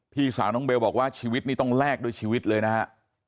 พี่สาวน้องเบลบอกว่าชีวิตนี้ต้องแลกด้วยชีวิตเลยนะฮะ